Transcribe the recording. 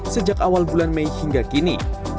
sejak awal bulan mei hingga kini